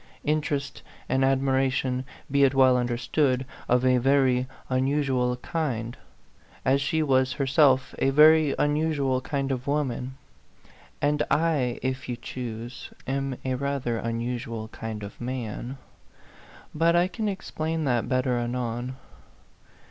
Interest and admiration, be it well understood, of a very unusual kind, as she was herself a very unusual kind of woman ; and I, if you choose, am a rather unusual kind of man. But I can explain that better anon.